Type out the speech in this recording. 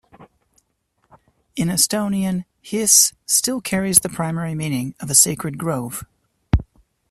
In Estonian, "hiis" still carries the primary meaning of a sacred grove.